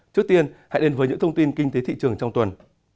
trước tiên hãy đến với những thông tin kinh tế thị trường trong tuần